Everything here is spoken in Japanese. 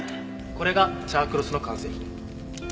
これがチャークロスの完成品。